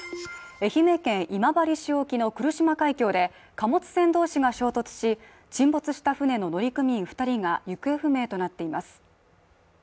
愛媛県今治市沖の来島海峡で貨物船同士が衝突し沈没した船の乗組員２人が行方不明となっています。